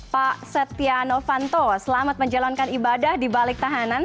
pak setiano fanto selamat menjalankan ibadah di balik tahanan